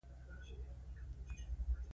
خو د ګراکچوس په وژنې سره انګېزه مړه نه شوه